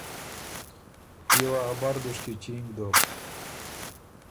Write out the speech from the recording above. بيې وه ا بر دُشکی چینګ دوک۔